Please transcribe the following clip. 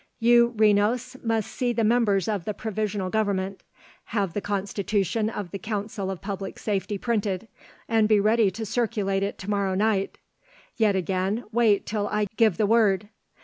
You, Renos, must see the members of the Provisional Government. Have the constitution of the Council of Public Safety printed, and be ready to circulate it to morrow night; yet again, wait till I give the word.